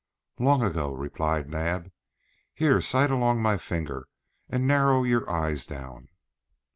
"Long ago," replied Naab. "Here, sight along my finger, and narrow your eyes down."